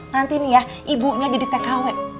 nanti nih ya ibunya jadi tkw